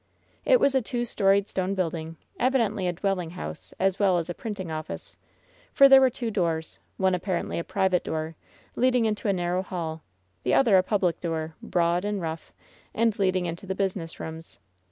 It was a two storied stone building, evidently a dwell ing house as well as a printing office; for there were two doors — one apparently a private door, leading into a narrow hall; the other the public door, broad and rough, and leading into the business rooms.